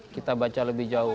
kita baca lebih jauh